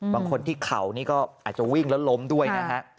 บางคนที่เข่านี่ก็อาจจะวิ่งแล้วล้มด้วยนะฮะ